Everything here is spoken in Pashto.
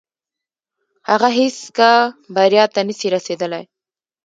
هغه هيڅکه بريا ته نسي رسيدلاي.